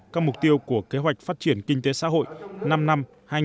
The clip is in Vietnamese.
các mục tiêu của kế hoạch phát triển kinh tế xã hội năm năm hai nghìn một mươi sáu hai nghìn hai mươi